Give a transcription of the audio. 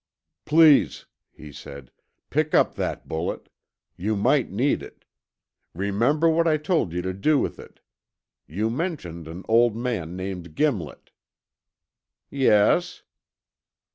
"Please," he said, "pick up that bullet. You might need it. Remember what I told you to do with it. You mentioned an old man named Gimlet." "Yes?"